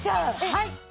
はい。